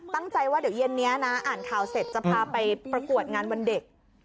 ตั้งใจว่าเดี๋ยวเย็นนี้นะอ่านข่าวเสร็จจะพาไปประกวดงานวันเด็ก